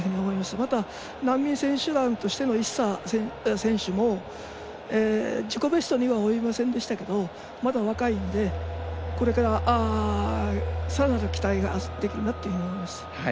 また、難民選手団としてのイッサ選手も自己ベストには及びませんでしたけどまだ、若いのでこれからさらなる期待ができるなと思います。